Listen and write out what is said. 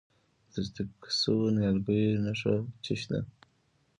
د تصدیق شویو نیالګیو نښه څه ده؟